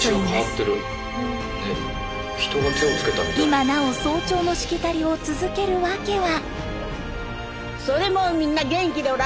今なお早朝のしきたりを続ける訳は。